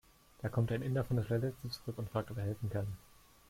Da kommt ein Inder von der Toilette zurück und fragt, ob er helfen kann.